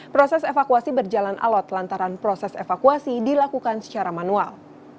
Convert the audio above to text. proses evakuasi berjalan alat lantaran proses evakuasi dilakukan secara manual